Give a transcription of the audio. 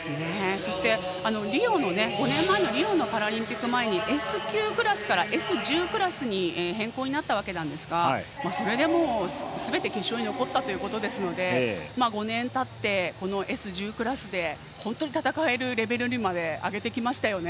そして５年前のリオのパラリンピック前にＳ９クラスからＳ１０クラスに変更になったんですがそれでもすべて決勝に残ったということなので５年たってＳ１０クラスで本当に戦えるレベルまで上げてきましたよね。